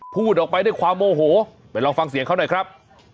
พูดออกไปด้วยความโมโหไปลองฟังเสียงเขาหน่อยครับ